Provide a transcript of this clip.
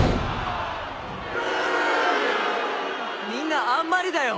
「みんなあんまりだよ